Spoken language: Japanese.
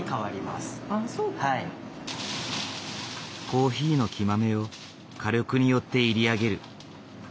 コーヒーの生豆を火力によって煎り上げる。